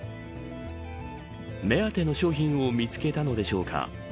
目当ての商品を見つけたのでしょうか。